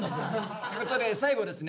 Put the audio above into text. ってことで最後ですね